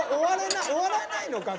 終わらないのか？